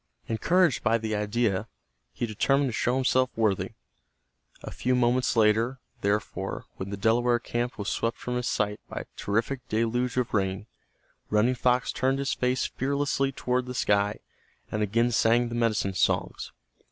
Encouraged by the idea, he determined to show himself worthy. A few moments later, therefore, when the Delaware camp was swept from his sight by a terrific deluge of rain, Running Fox turned his face fearlessly toward the sky, and again sang the medicine songs.